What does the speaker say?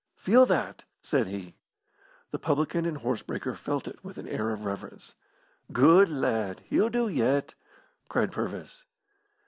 "Feel that!" said he. The publican and horse breaker felt it with an air of reverence. "Good lad! He'll do yet!" cried Purvis.